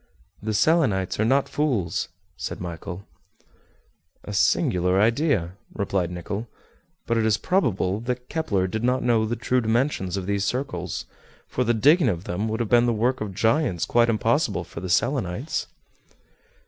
"The Selenites are not fools," said Michel. "A singular idea," replied Nicholl; "but it is probable that Kepler did not know the true dimensions of these circles, for the digging of them would have been the work of giants quite impossible for the Selenites."